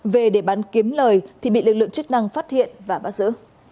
về để bán kiếm lời thì bị lực lượng chức năng phát hiện và bắt giữ